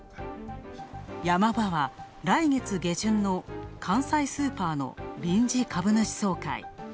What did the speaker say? ヤマ場は来月下旬の関西スーパーの臨時株主総会。